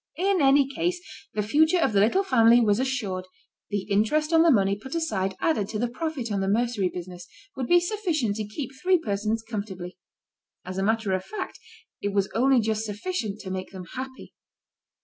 In any case, the future of the little family was assured; the interest on the money put aside added to the profit on the mercery business, would be sufficient to keep three persons comfortably. As a matter of fact it was only just sufficient to make them happy.